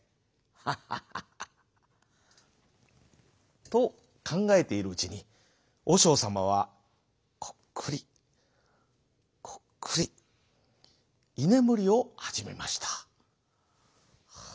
ハハハハ」。とかんがえているうちにおしょうさまはコックリコックリいねむりをはじめました。